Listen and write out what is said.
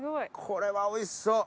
これはおいしそう。